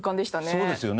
そうですよね。